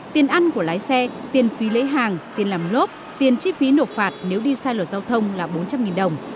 tiền ăn của lái xe tiền phí lấy hàng tiền làm lốp tiền chi phí nộp phạt nếu đi sai lột giao thông là bốn trăm linh đồng